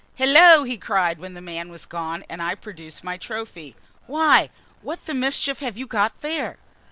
"Hillo!" he cried, when the man was gone, and I produced my trophy. "Why, what the mischief have you got there?"